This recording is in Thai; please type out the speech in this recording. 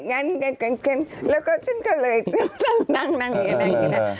งั้นเกินแล้วก็ฉันก็เลยนั่งอย่างนี้นะ